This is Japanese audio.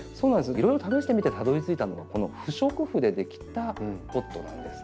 いろいろ試してみてたどりついたのがこの不織布で出来たポットなんです。